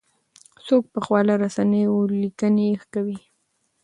څوک په خواله رسنیو لیکنې کوي؟